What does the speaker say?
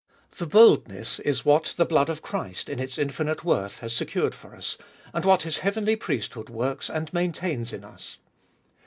This boldness is what the blood of Christ, in its infinite worth, has secured for us, and what His heavenly priesthood works and maintains in us.